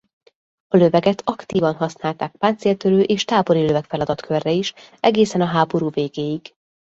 A löveget aktívan használták páncéltörő és tábori löveg feladatkörre is egészen a háború végéig.